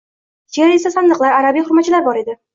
Ichkarida eski sandiqlar, arabiy xurmachalar bor edi.